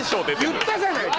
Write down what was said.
言ったじゃないか！